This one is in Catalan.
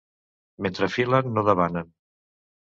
Mentre filen no debanen.